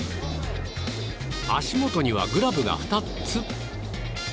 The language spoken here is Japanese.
足元にはグラブが２つ？